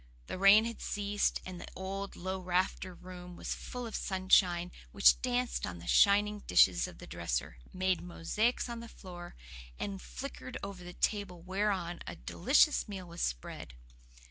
The rain had ceased, and the old, low raftered room was full of sunshine which danced on the shining dishes of the dresser, made mosaics on the floor, and flickered over the table whereon a delicious meal was spread.